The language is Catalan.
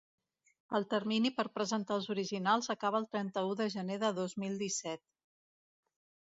El termini per presentar els originals acaba el trenta-u de gener del dos mil disset.